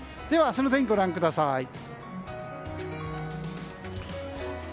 では、明日の天気ご覧ください。